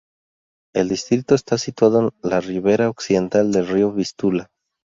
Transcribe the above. El distrito está situado en la ribera occidental del río Vístula.